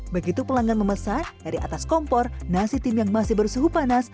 begitu pelanggan memesan dari atas kompor nasi tim yang masih bersuhu panas